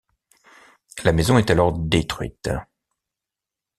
La maison est alors détruite.